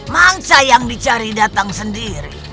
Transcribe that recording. manca yang dicari datang sendiri